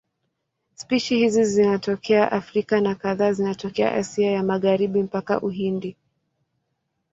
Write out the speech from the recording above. Spishi hizi zinatokea Afrika na kadhaa zinatokea Asia ya Magharibi mpaka Uhindi.